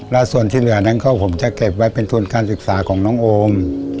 แล้วส่วนที่เหลือนั้นก็ผมจะเก็บไว้เป็นทุนการศึกษาของน้องโอม